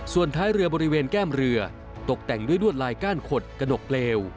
ส่วนท้ายเรือบริเวณแก้มเรือตกแต่งด้วยลวดลายก้านขดกระดกเลว